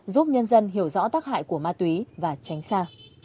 giúp nhân dân hiểu rõ tác hại của ma túy và tránh xa